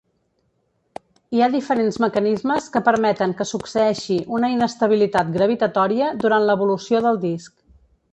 Hi ha diferents mecanismes que permeten que succeeixi una inestabilitat gravitatòria durant l'evolució del disc.